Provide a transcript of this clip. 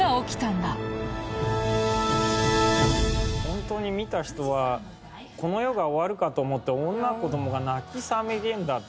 本当に見た人はこの世が終わるかと思って女子供が泣き叫んだって。